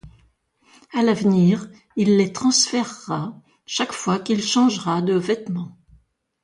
À l'avenir, il les transférera chaque fois qu'il changera de vêtement.